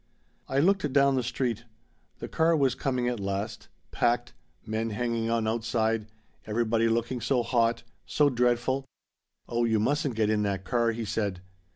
"I looked down the street. The car was coming at last packed men hanging on outside everybody looking so hot so dreadful. 'Oh you mustn't get in that car,' he said.